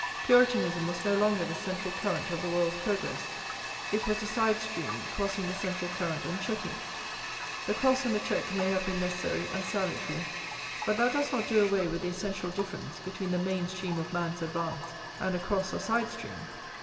Puritanism was no longer the central current of the world's progress, it was a side stream crossing the central current and checking it. The cross and the check may have been necessary and salutary, but that does not do away with the essential difference between the main stream of man's advance and a cross or side stream.